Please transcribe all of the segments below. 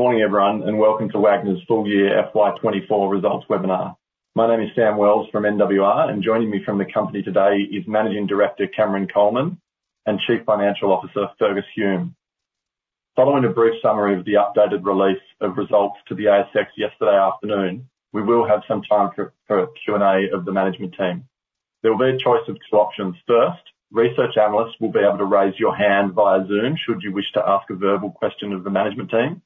Good morning, everyone, and welcome to Wagners' full-year FY 2024 results webinar. My name is Sam Wells from NWR, and joining me from the company today is Managing Director, Cameron Coleman, and Chief Financial Officer, Fergus Hume. Following a brief summary of the updated release of results to the ASX yesterday afternoon, we will have some time for a Q&A of the management team. There will be a choice of two options: First, research analysts will be able to raise your hand via Zoom, should you wish to ask a verbal question of the management team,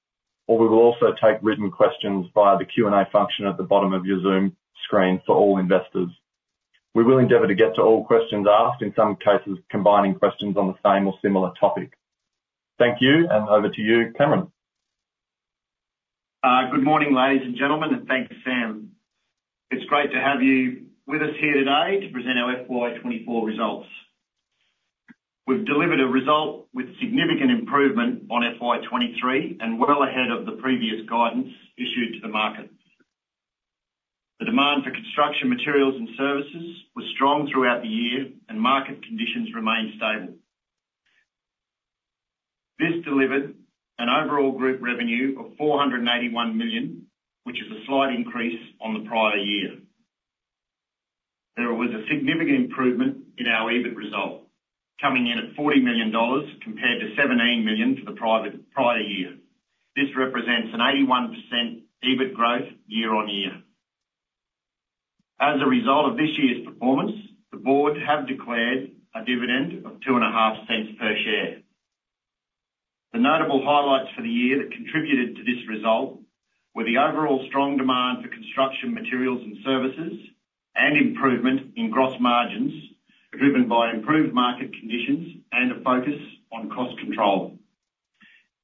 or we will also take written questions via the Q&A function at the bottom of your Zoom screen for all investors. We will endeavor to get to all questions asked, in some cases, combining questions on the same or similar topic. Thank you, and over to you, Cameron. Good morning, ladies and gentlemen, and thank you, Sam. It's great to have you with us here today to present our FY 2024 results. We've delivered a result with significant improvement on FY 2023 and well ahead of the previous guidance issued to the market. The demand for Construction Materials and services was strong throughout the year, and market conditions remained stable. This delivered an overall group revenue of AUD 481 million, which is a slight increase on the prior year. There was a significant improvement in our EBIT result, coming in at 40 million dollars, compared to 17 million for the prior year. This represents an 81% EBIT growth year-on-year. As a result of this year's performance, the board have declared a dividend of 0.025 per share. The notable highlights for the year that contributed to this result were the overall strong demand for Construction Materials and Services, and improvement in gross margins, driven by improved market conditions and a focus on cost control.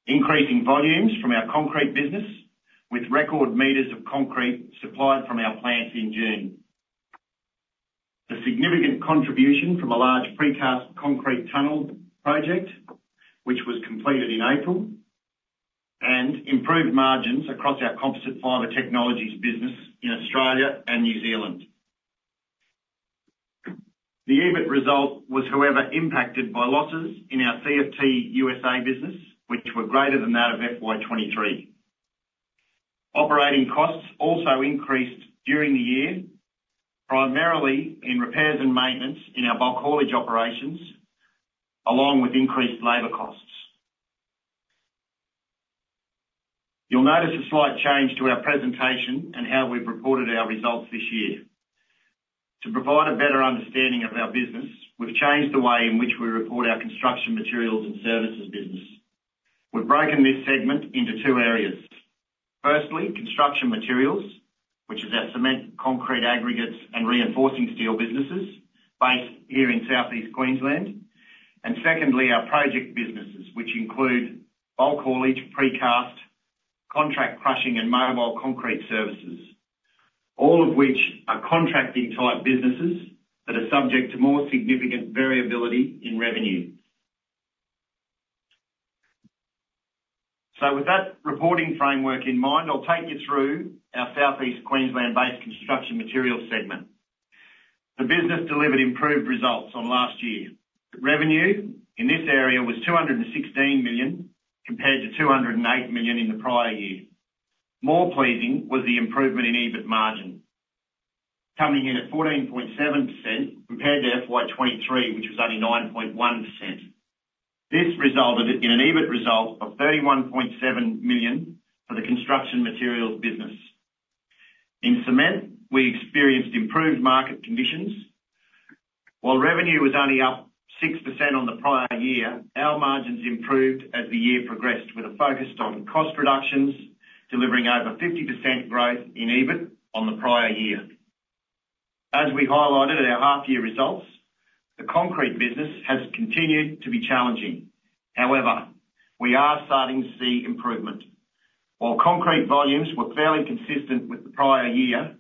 Increasing volumes from our concrete business, with record meters of concrete supplied from our plants in June. The significant contribution from a large precast concrete tunnel project, which was completed in April, and improved margins across our Composite Fibre Technologies business in Australia and New Zealand. The EBIT result was, however, impacted by losses in our CFT USA business, which were greater than that of FY 2023. Operating costs also increased during the year, primarily in repairs and maintenance in our bulk haulage operations, along with increased labor costs. You'll notice a slight change to our presentation and how we've reported our results this year. To provide a better understanding of our business, we've changed the way in which we report our construction materials and services business. We've broken this segment into two areas. Firstly, construction materials, which is our cement, concrete, aggregates, and reinforcing steel businesses based here in Southeast Queensland. And secondly, our project businesses, which include bulk haulage, precast, contract crushing, and mobile concrete services, all of which are contracting-type businesses that are subject to more significant variability in revenue. So with that reporting framework in mind, I'll take you through our Southeast Queensland-based Construction Materials segment. The business delivered improved results on last year. Revenue in this area was 216 million, compared to 208 million in the prior year. More pleasing was the improvement in EBIT margin, coming in at 14.7%, compared to FY 2023, which was only 9.1%. This resulted in an EBIT result of 31.7 million for the construction materials business. In cement, we experienced improved market conditions. While revenue was only up 6% on the prior year, our margins improved as the year progressed, with a focus on cost reductions, delivering over 50% growth in EBIT on the prior year. As we highlighted in our half year results, the concrete business has continued to be challenging. However, we are starting to see improvement. While concrete volumes were fairly consistent with the prior year,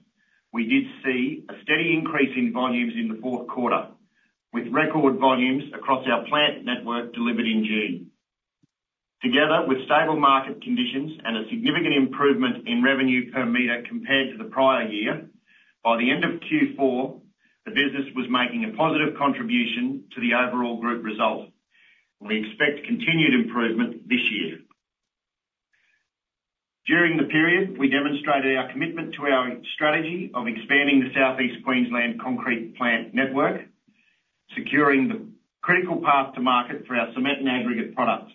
we did see a steady increase in volumes in the fourth quarter, with record volumes across our plant network delivered in June. Together with stable market conditions and a significant improvement in revenue per meter compared to the prior year, by the end of Q4, the business was making a positive contribution to the overall group result. We expect continued improvement this year. During the period, we demonstrated our commitment to our strategy of expanding the Southeast Queensland concrete plant network, securing the critical path to market for our cement and aggregate products.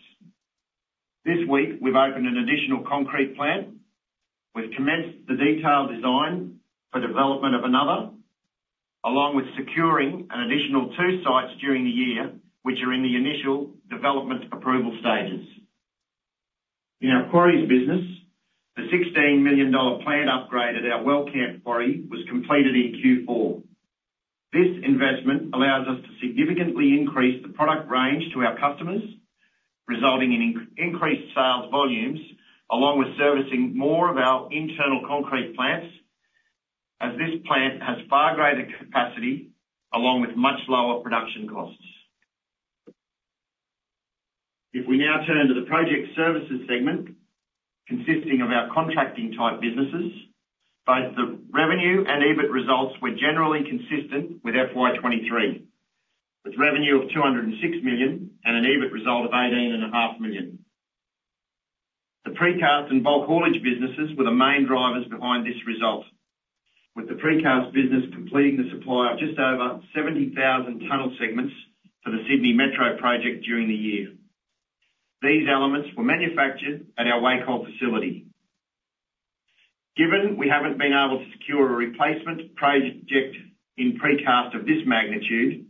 This week, we've opened an additional concrete plant. We've commenced the detailed design for development of another, along with securing an additional two sites during the year, which are in the initial development approval stages. In our quarries business, the 16 million dollar plant upgrade at our Wellcamp Quarry was completed in Q4. This investment allows us to significantly increase the product range to our customers, resulting in increased sales volumes, along with servicing more of our internal concrete plants, as this plant has far greater capacity, along with much lower production costs. If we now turn to the Project Services segment, consisting of our contracting-type businesses, both the revenue and EBIT results were generally consistent with FY 2023. With revenue of 206 million and an EBIT result of 18.5 million. The precast and bulk haulage businesses were the main drivers behind this result, with the precast business completing the supply of just over 70,000 tunnel segments for the Sydney Metro project during the year. These elements were manufactured at our Wacol facility. Given we haven't been able to secure a replacement project in precast of this magnitude,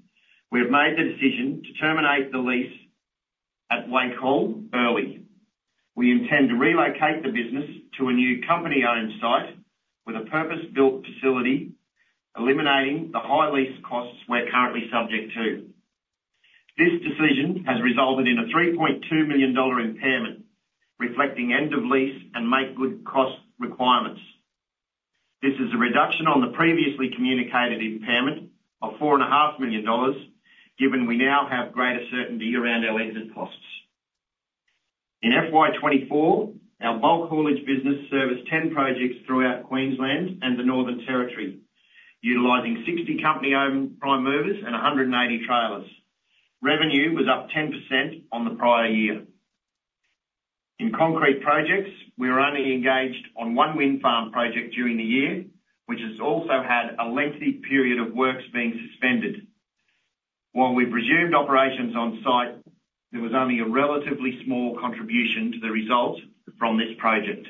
we have made the decision to terminate the lease at Wacol early. We intend to relocate the business to a new company-owned site with a purpose-built facility, eliminating the high lease costs we're currently subject to. This decision has resulted in an 3.2 million dollar impairment, reflecting end of lease and make good cost requirements. This is a reduction on the previously communicated impairment of 4.5 million dollars, given we now have greater certainty around our exit costs. In FY 2024, our bulk haulage business serviced 10 projects throughout Queensland and the Northern Territory, utilizing 60 company-owned prime movers and 180 trailers. Revenue was up 10% on the prior year. In concrete projects, we were only engaged on one wind farm project during the year, which has also had a lengthy period of works being suspended. While we've resumed operations on site, there was only a relatively small contribution to the results from this project.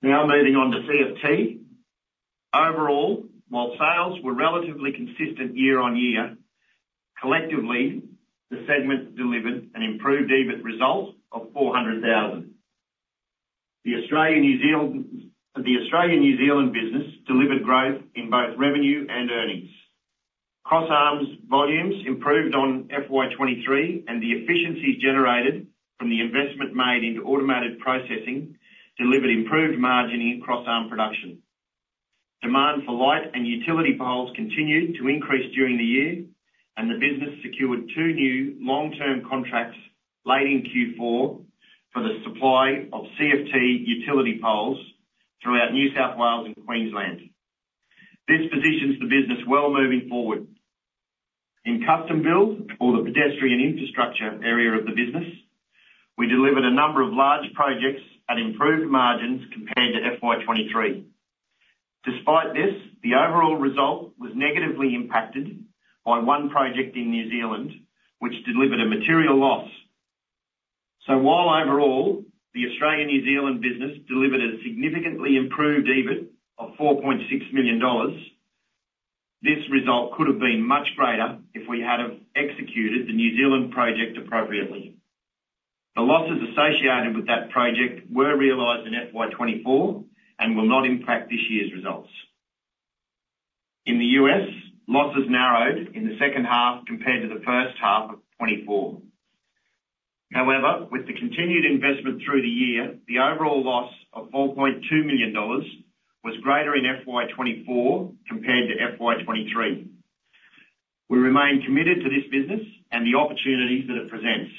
Now moving on to CFT. Overall, while sales were relatively consistent year-on-year, collectively, the segment delivered an improved EBIT result of 400,000. The Australian New Zealand business delivered growth in both revenue and earnings. Crossarms volumes improved on FY 2023, and the efficiencies generated from the investment made into automated processing delivered improved margin in crossarms production. Demand for light and utility poles continued to increase during the year, and the business secured 2 new long-term contracts late in Q4 for the supply of CFT utility poles throughout New South Wales and Queensland. This positions the business well moving forward. In Custom Build or the pedestrian infrastructure area of the business, we delivered a number of large projects at improved margins compared to FY 2023. Despite this, the overall result was negatively impacted by one project in New Zealand, which delivered a material loss. So while overall, the Australian New Zealand business delivered a significantly improved EBIT of 4.6 million dollars, this result could have been much greater if we had have executed the New Zealand project appropriately. The losses associated with that project were realized in FY 2024 and will not impact this year's results. In the U.S., losses narrowed in the second half compared to the first half of 2024. However, with the continued investment through the year, the overall loss of 4.2 million dollars was greater in FY 2024 compared to FY 2023. We remain committed to this business and the opportunities that it presents.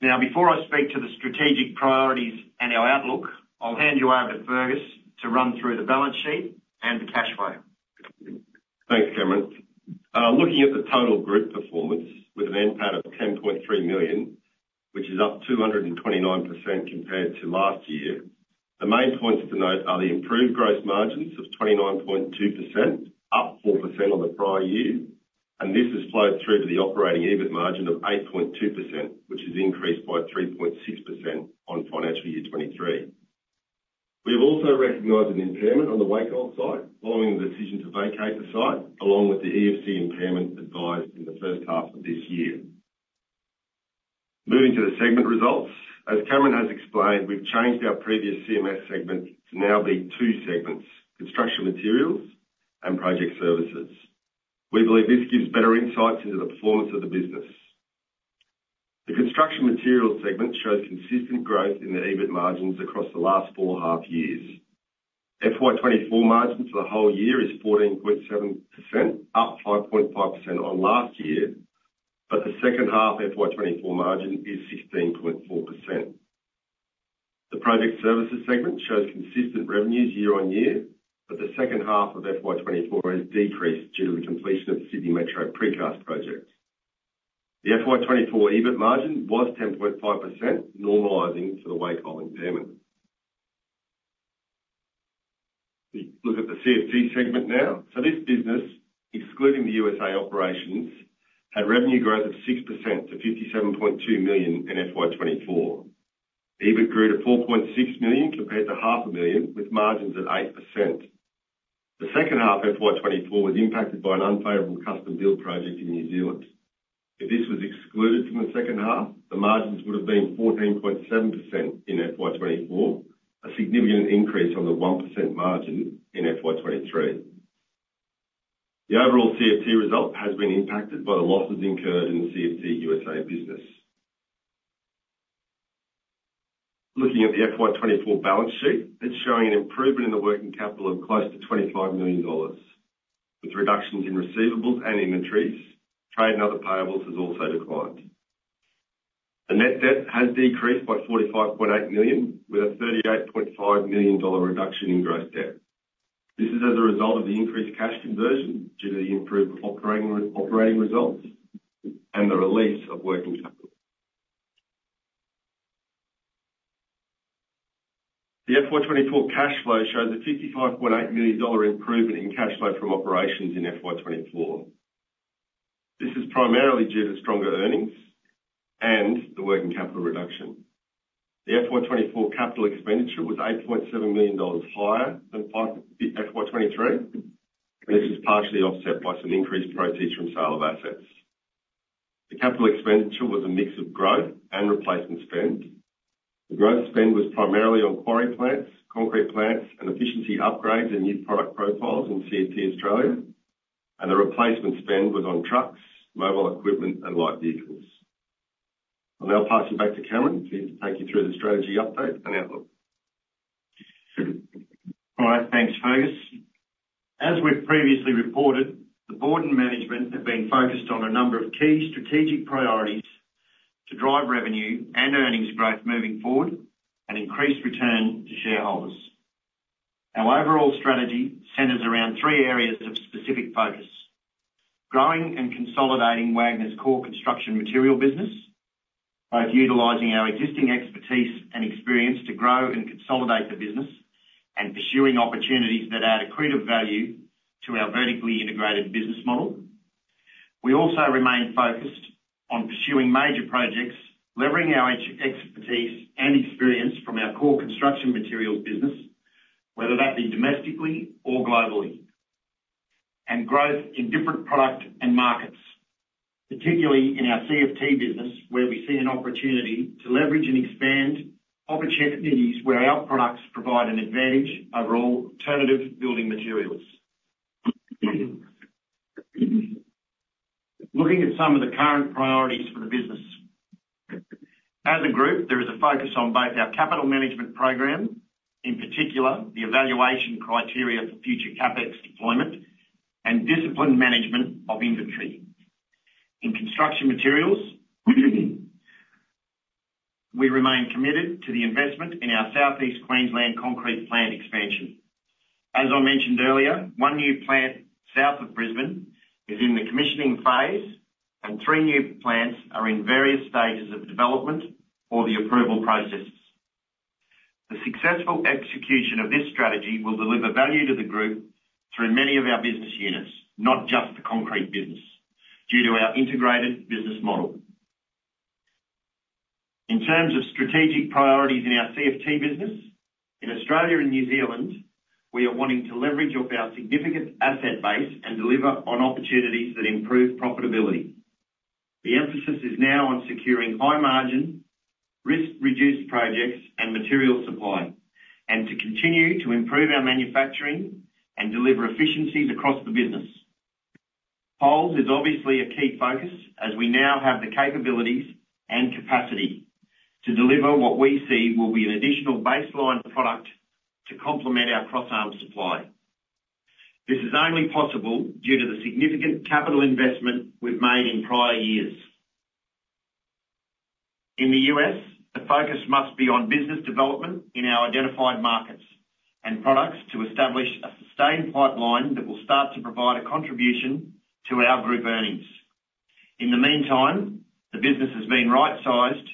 Now, before I speak to the strategic priorities and our outlook, I'll hand you over to Fergus, to run through the balance sheet and the cash flow. Thanks, Cameron. Looking at the total group performance with an NPAT of 10.3 million, which is up 229% compared to last year, the main points to note are the improved gross margins of 29.2%, up 4% on the prior year, and this has flowed through to the operating EBIT margin of 8.2%, which has increased by 3.6% on financial year 2023. We have also recognized an impairment on the Wacol site following the decision to vacate the site, along with the EFC impairment advised in the first half of this year. Moving to the segment results, as Cameron has explained, we've changed our previous CMS segment to now be two segments: Construction Materials and Project Services. We believe this gives better insights into the performance of the business. The Construction Materials Segment shows consistent growth in the EBIT margins across the last four half years. FY 2024 margin for the whole year is 14.7%, up 5.5% on last year, but the second half FY 2024 margin is 16.4%. The Project Services segment shows consistent revenues year-on-year, but the second half of FY 2024 has decreased due to the completion of the Sydney Metro precast project. The FY 2024 EBIT margin was 10.5%, normalizing to the Wacol impairment. We look at the CFT segment now. So this business, excluding the U.S.A operations, had revenue growth of 6% to 57.2 million in FY 2024. EBIT grew to 4.6 million, compared to 0.5 million, with margins at 8%. The second half of FY 2024 was impacted by an unfavorable custom build project in New Zealand. If this was excluded from the second half, the margins would have been 14.7% in FY 2024, a significant increase on the 1% margin in FY 2023. The overall CFT result has been impacted by the losses incurred in the CFT U.S.A. business. Looking at the FY 2024 balance sheet, it's showing an improvement in the working capital of close to 25 million dollars, with reductions in receivables and inventories. Trade and other payables has also declined. The net debt has decreased by 45.8 million, with a 38.5 million dollar reduction in gross debt. This is as a result of the increased cash conversion, due to the improved operating results and the release of working capital. The FY 2024 cash flow shows an 55.8 million dollar improvement in cash flow from operations in FY 2024. This is primarily due to stronger earnings and the working capital reduction. The FY 2024 capital expenditure was 8.7 million dollars higher than FY 2023, and this is partially offset by some increased proceeds from sale of assets. The capital expenditure was a mix of growth and replacement spend. The growth spend was primarily on quarry plants, concrete plants, and efficiency upgrades, and new product profiles in CFT Australia, and the replacement spend was on trucks, mobile equipment, and light vehicles. I'll now pass you back to Cameron to take you through the strategy update and outlook. All right, thanks, Fergus. As we've previously reported, the Board and Management have been focused on a number of key strategic priorities to drive revenue and earnings growth moving forward and increase return to shareholders. Our overall strategy centers around three areas of specific focus: growing and consolidating Wagners' core construction material business, both utilizing our existing expertise and experience to grow and consolidate the business, and pursuing opportunities that add accretive value to our vertically integrated business model. We also remain focused on pursuing major projects, leveraging our expertise and experience from our core Construction Materials business, whether that be domestically or globally, and growth in different product and markets, particularly in our CFT business, where we see an opportunity to leverage and expand opportunities where our products provide an advantage over alternative building materials. Looking at some of the current priorities for the business. As a group, there is a focus on both our capital management program, in particular, the evaluation criteria for future CapEx deployment and disciplined management of inventory. In Construction Materials, we remain committed to the investment in our Southeast Queensland concrete plant expansion. As I mentioned earlier, one new plant south of Brisbane is in the commissioning phase, and three new plants are in various stages of development or the approval processes. The successful execution of this strategy will deliver value to the group through many of our business units, not just the concrete business, due to our integrated business model. In terms of strategic priorities in our CFT business, in Australia and New Zealand, we are wanting to leverage off our significant asset base and deliver on opportunities that improve profitability. The emphasis is now on securing high margin, risk-reduced projects and material supply, and to continue to improve our manufacturing and deliver efficiencies across the business. Poles is obviously a key focus as we now have the capabilities and capacity to deliver what we see will be an additional baseline product to complement our crossarms supply. This is only possible due to the significant capital investment we've made in prior years. In the U.S., the focus must be on business development in our identified markets and products to establish a sustained pipeline that will start to provide a contribution to our group earnings. In the meantime, the business has been right-sized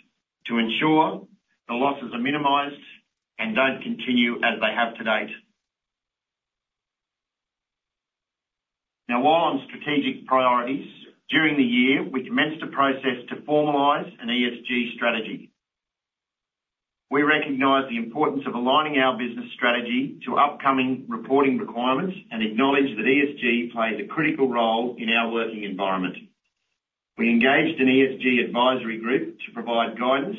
to ensure the losses are minimized and don't continue as they have to date. Now, while on strategic priorities, during the year, we commenced a process to formalize an ESG strategy. We recognize the importance of aligning our business strategy to upcoming reporting requirements and acknowledge that ESG plays a critical role in our working environment. We engaged an ESG advisory group to provide guidance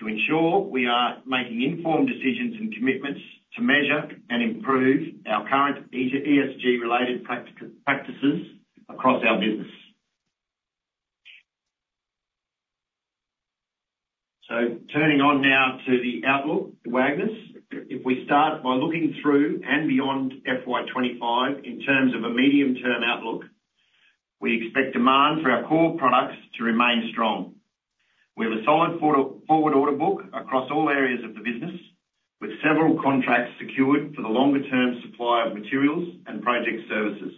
to ensure we are making informed decisions and commitments to measure and improve our current ESG-related practices across our business. Turning now to the outlook for Wagners. If we start by looking through and beyond FY 2025 in terms of a medium-term outlook, we expect demand for our core products to remain strong. We have a solid forward order book across all areas of the business, with several contracts secured for the longer-term supply of materials and project services.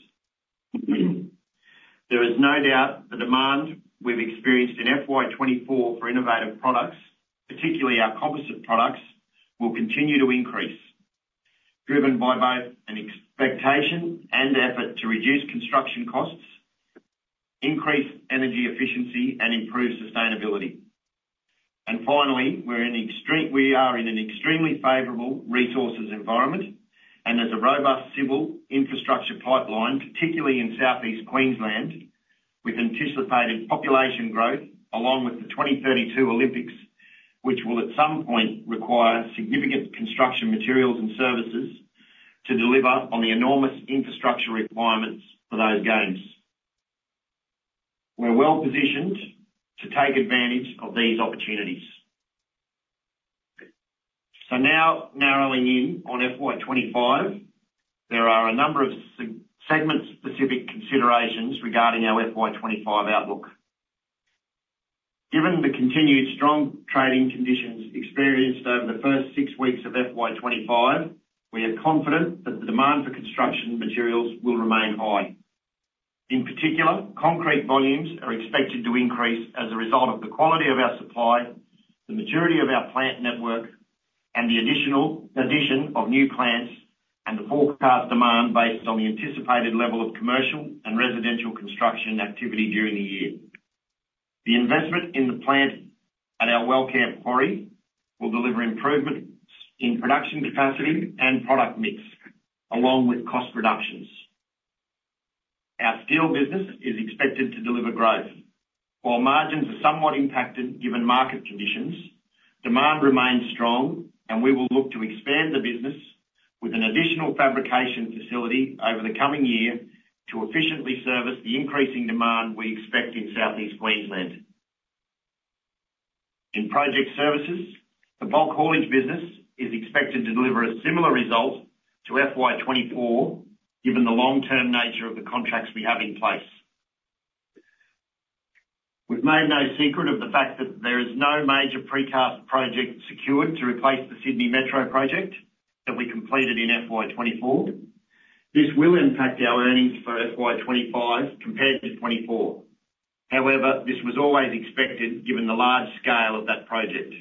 There is no doubt the demand we've experienced in FY 2024 for innovative products, particularly our composite products, will continue to increase, driven by both an expectation and effort to reduce construction costs, increase energy efficiency, and improve sustainability. And finally, we are in an extremely favorable resources environment, and there's a robust civil infrastructure pipeline, particularly in Southeast Queensland, with anticipated population growth along with the 2032 Olympics, which will, at some point, require significant Construction Materials and Services to deliver on the enormous infrastructure requirements for those games. We're well-positioned to take advantage of these opportunities. So now narrowing in on FY 2025, there are a number of segment-specific considerations regarding our FY 2025 outlook. Given the continued strong trading conditions experienced over the first six weeks of FY 2025, we are confident that the demand for construction materials will remain high. In particular, concrete volumes are expected to increase as a result of the quality of our supply, the maturity of our plant network, and the addition of new plants, and the forecast demand based on the anticipated level of commercial and residential construction activity during the year. The investment in the plant at our Wellcamp quarry will deliver improvements in production capacity and product mix, along with cost reductions. Our steel business is expected to deliver growth. While margins are somewhat impacted, given market conditions, demand remains strong, and we will look to expand the business with an additional fabrication facility over the coming year to efficiently service the increasing demand we expect in Southeast Queensland. In project services, the bulk haulage business is expected to deliver a similar result to FY 2024, given the long-term nature of the contracts we have in place. We've made no secret of the fact that there is no major precast project secured to replace the Sydney Metro project that we completed in FY 2024. This will impact our earnings for FY 2025 compared to twenty-four. However, this was always expected given the large scale of that project.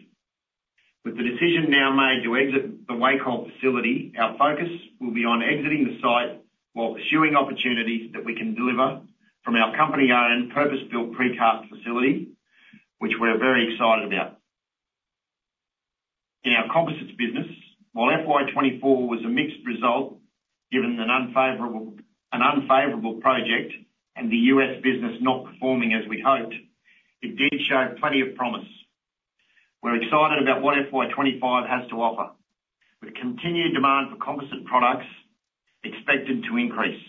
With the decision now made to exit the Wacol facility, our focus will be on exiting the site while pursuing opportunities that we can deliver from our company-owned, purpose-built precast facility, which we're very excited about. In our composites business, while FY 2024 was a mixed result, given an unfavorable project and the US business not performing as we'd hoped, it did show plenty of promise. We're excited about what FY 2025 has to offer, with continued demand for composite products expected to increase.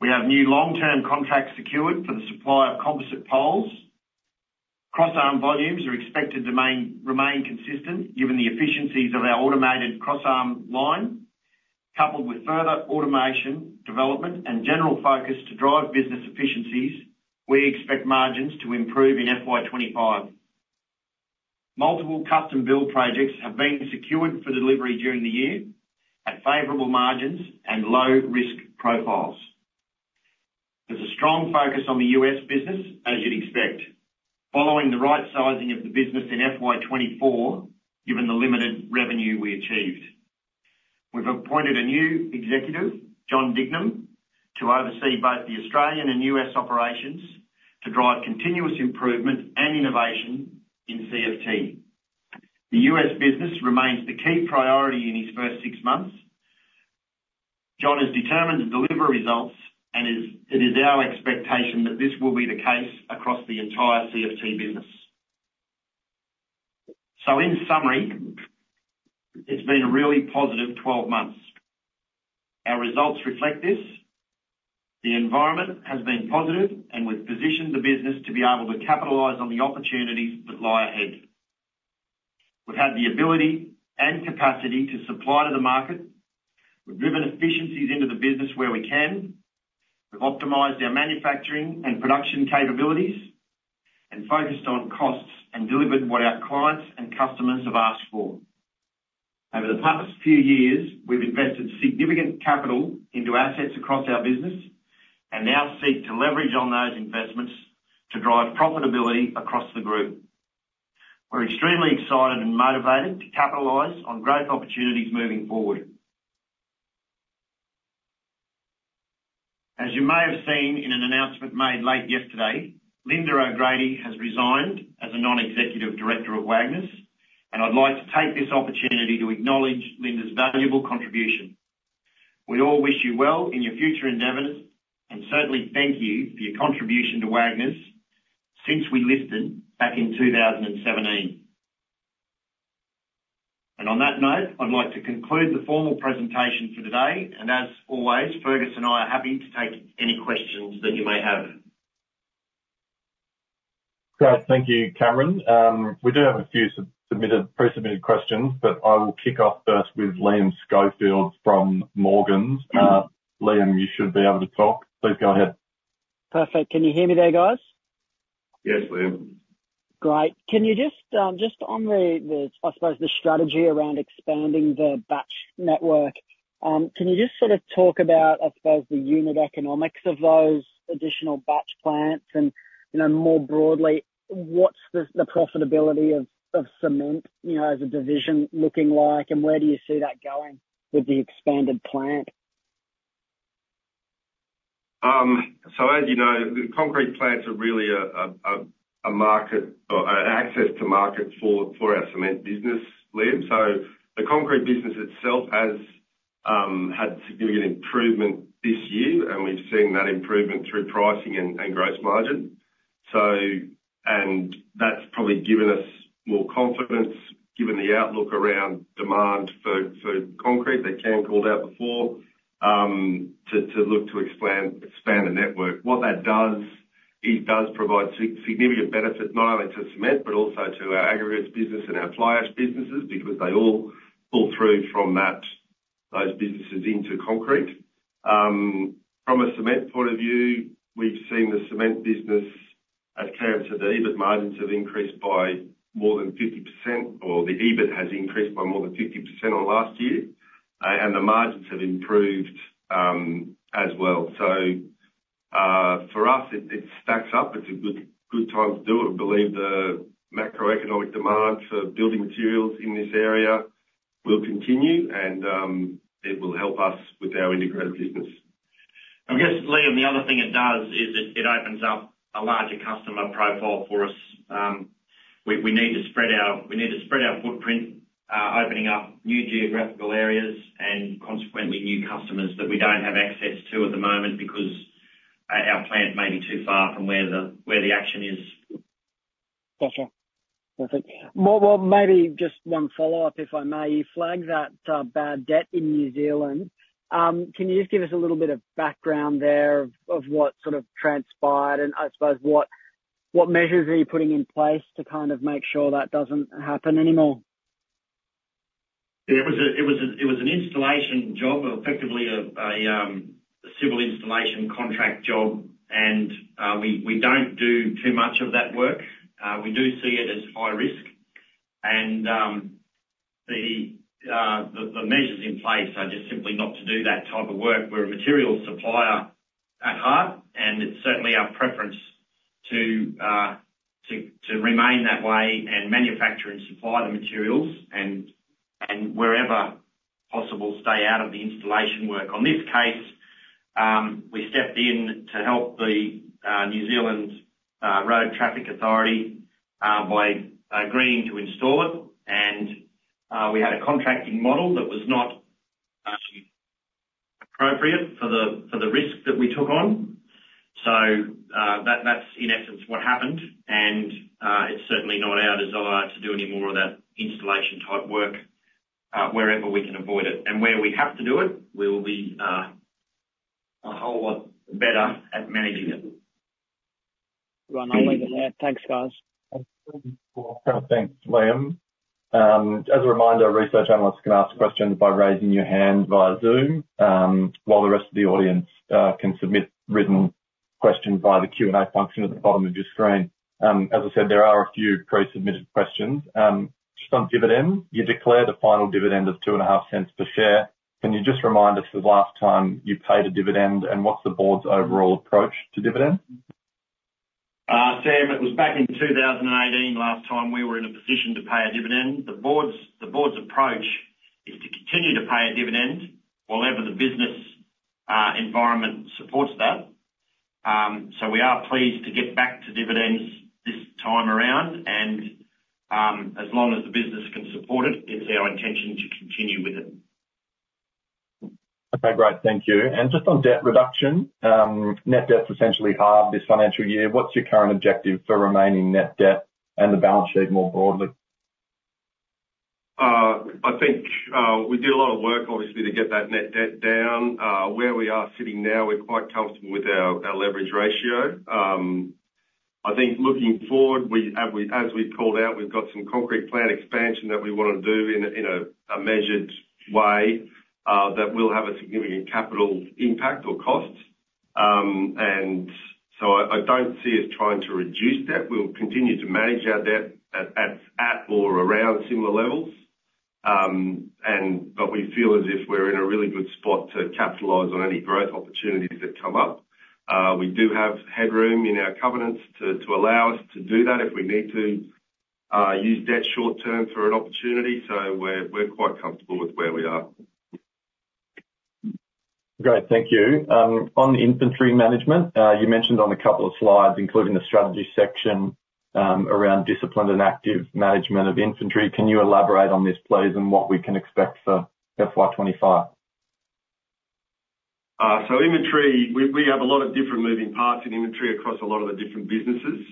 We have new long-term contracts secured for the supply of composite poles. Crossarm volumes are expected to remain consistent, given the efficiencies of our automated crossarm line. Coupled with further automation, development, and general focus to drive business efficiencies, we expect margins to improve in FY 2025. Multiple custom build projects have been secured for delivery during the year at favorable margins and low-risk profiles. There's a strong focus on the U.S. business, as you'd expect, following the right sizing of the business in FY 2024, given the limited revenue we achieved. We've appointed a new executive, John Dignam, to oversee both the Australian and U.S. operations to drive continuous improvement and innovation in CFT. The U.S. business remains the key priority in his first six months. John is determined to deliver results, and it is our expectation that this will be the case across the entire CFT business. So in summary, it's been a really positive 12 months. Our results reflect this. The environment has been positive, and we've positioned the business to be able to capitalize on the opportunities that lie ahead. We've had the ability and capacity to supply to the market. We've driven efficiencies into the business where we can. We've optimized our manufacturing and production capabilities, and focused on costs, and delivered what our clients and customers have asked for. Over the past few years, we've invested significant capital into assets across our business and now seek to leverage on those investments to drive profitability across the group. We're extremely excited and motivated to capitalize on growth opportunities moving forward. As you may have seen in an announcement made late yesterday, Lynda O'Grady has resigned as a non-Executive Director of Wagners, and I'd like to take this opportunity to acknowledge Lynda's valuable contribution. We all wish you well in your future endeavors, and certainly thank you for your contribution to Wagners since we listed back in 2017, and on that note, I'd like to conclude the formal presentation for today, and as always, Fergus and I are happy to take any questions that you may have. Great. Thank you, Cameron. We do have a few submitted, pre-submitted questions, but I will kick off first with Liam Schofield from Morgans. Liam, you should be able to talk. Please go ahead. Perfect. Can you hear me there, guys? Yes, Liam. Great. Can you just on the, I suppose, the strategy around expanding the batch network, can you just sort of talk about, I suppose, the unit economics of those additional batch plants? And, you know, more broadly, what's the profitability of cement, you know, as a division looking like, and where do you see that going with the expanded plant? So as you know, the concrete plants are really a market or an access to market for our cement business, Liam. So the concrete business itself has had significant improvement this year, and we've seen that improvement through pricing and gross margin. So and that's probably given us more confidence, given the outlook around demand for concrete, that Cam called out before, to look to expand the network. What that does- .It does provide significant benefit, not only to cement, but also to our aggregates business and our fly ash businesses, because they all pull through from that, those businesses into concrete. From a cement point of view, we've seen the cement business at Carrington, the EBIT margins have increased by more than 50%, or the EBIT has increased by more than 50% on last year, and the margins have improved as well. So, for us, it stacks up. It's a good, good time to do it. We believe the macroeconomic demands for building materials in this area will continue, and it will help us with our integrated business. I guess, Liam, the other thing it does is it opens up a larger customer profile for us. We need to spread our footprint, opening up new geographical areas and consequently, new customers that we don't have access to at the moment because our plant may be too far from where the action is. Gotcha. Perfect. Well, well, maybe just one follow-up, if I may. You flagged that bad debt in New Zealand. Can you just give us a little bit of background there of what sort of transpired, and I suppose what measures are you putting in place to kind of make sure that doesn't happen anymore? It was an installation job, effectively a civil installation contract job, and we don't do too much of that work. We do see it as high risk, and the measures in place are just simply not to do that type of work. We're a materials supplier at heart, and it's certainly our preference to remain that way and manufacture and supply the materials, and wherever possible, stay out of the installation work. In this case, we stepped in to help the New Zealand Road Traffic Authority by agreeing to install it, and we had a contracting model that was not actually appropriate for the risk that we took on. That's in essence what happened, and it's certainly not our desire to do any more of that installation type work, wherever we can avoid it. And where we have to do it, we will be a whole lot better at managing it. Right. I'll leave it there. Thanks, guys. Thanks, Liam. As a reminder, research analysts can ask questions by raising your hand via Zoom, while the rest of the audience can submit written questions via the Q&A function at the bottom of your screen. As I said, there are a few pre-submitted questions. Just on dividend, you declared a final dividend of 0.025 per share. Can you just remind us the last time you paid a dividend, and what's the board's overall approach to dividend? Sam, it was back in 2018, last time we were in a position to pay a dividend. The board's approach is to continue to pay a dividend while ever the business environment supports that, so we are pleased to get back to dividends this time around, and as long as the business can support it, it's our intention to continue with it. Okay. Great. Thank you. And just on debt reduction, net debt's essentially halved this financial year. What's your current objective for remaining net debt and the balance sheet more broadly? I think we did a lot of work, obviously, to get that net debt down. Where we are sitting now, we're quite comfortable with our leverage ratio. I think looking forward, as we called out, we've got some concrete plant expansion that we wanna do in a measured way, that will have a significant capital impact or cost, so I don't see us trying to reduce debt. We'll continue to manage our debt at or around similar levels, but we feel as if we're in a really good spot to capitalize on any growth opportunities that come up. We do have headroom in our covenants to allow us to do that if we need to use debt short term for an opportunity. So we're quite comfortable with where we are. Great. Thank you. On inventory management, you mentioned on a couple of slides, including the strategy section, around disciplined and active management of inventory. Can you elaborate on this, please, and what we can expect for FY 2025? So inventory, we have a lot of different moving parts in inventory across a lot of the different businesses.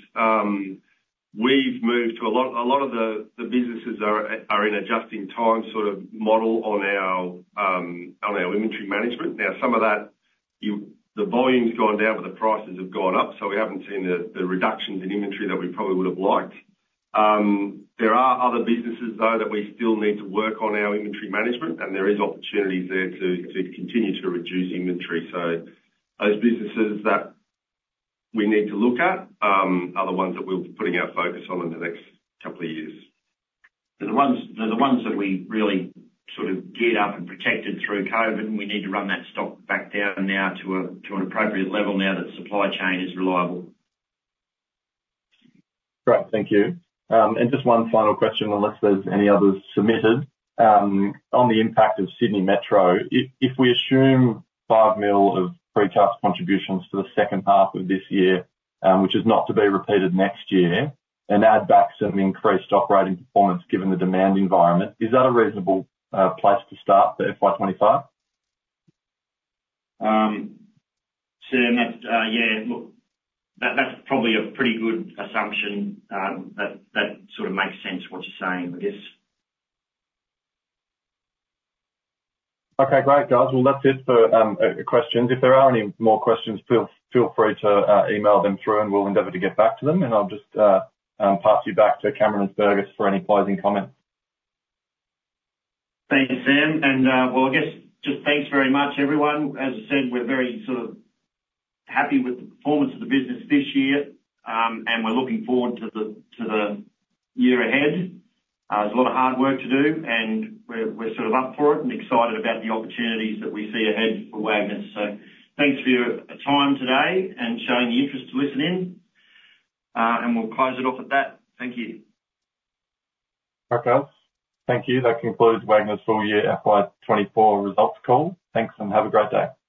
We've moved to a lot of the businesses are in just-in-time sort of model on our inventory management. Now, some of that, the volume's gone down, but the prices have gone up, so we haven't seen the reductions in inventory that we probably would have liked. There are other businesses, though, that we still need to work on our inventory management, and there is opportunities there to continue to reduce inventory. So those businesses that we need to look at are the ones that we'll be putting our focus on in the next couple of years. They're the ones, they're the ones that we really sort of geared up and protected through COVID, and we need to run that stock back down now to a, to an appropriate level now that supply chain is reliable. Great. Thank you, and just one final question, unless there's any others submitted. On the impact of Sydney Metro, if we assume 5 million of pre-tax contributions to the second half of this year, which is not to be repeated next year, and add back some increased operating performance given the demand environment, is that a reasonable place to start for FY 2025? Sam, that's, yeah, look, that, that's probably a pretty good assumption. That, that sort of makes sense, what you're saying, I guess. Okay, great, guys. Well, that's it for questions. If there are any more questions, feel free to email them through, and we'll endeavor to get back to them. And I'll just pass you back to Cameron Coleman for any closing comments. Thank you, Sam, and, well, I guess, just thanks very much, everyone. As I said, we're very sort of happy with the performance of the business this year, and we're looking forward to the year ahead. There's a lot of hard work to do, and we're sort of up for it and excited about the opportunities that we see ahead for Wagners. So thanks for your time today and showing the interest to listen in, and we'll close it off at that. Thank you. Okay. Thank you. That concludes Wagners full-year FY 2024 results call. Thanks, and have a great day.